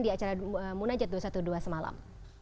di acara munajat dua ratus dua belas semalam